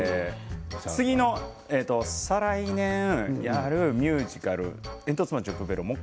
次の再来年やるミュージカル「えんとつ町のプペル」